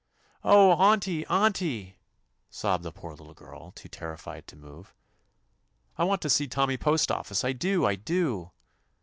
"Oh, auntie I auntie!" sobbed the poor little girl, too terrified to move, "I want to see Tommy Postoffice, I do! I do!"